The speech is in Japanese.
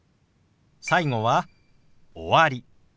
最後は「終わり」。